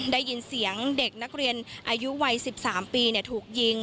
ได้ยินเสียงเด็กนักเรียนอายุวัย๑๓ปีถูกยิง